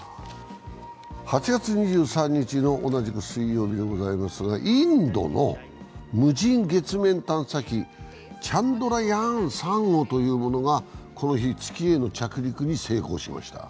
８月２３日の同じく水曜日でございますがインドの無人月面探査機、チャンドラヤーン３号というものがこの日、月への着陸に成功しました。